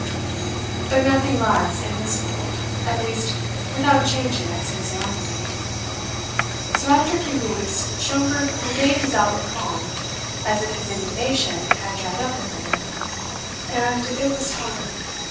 But nothing lasts in this world, at least without changing its physiognomy. So, after a few weeks, Schomberg regained his outward calm, as if his indignation had dried up within him. And it was time.